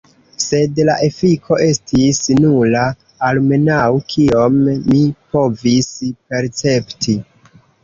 Sed la efiko estis nula, almenau kiom mi povis percepti.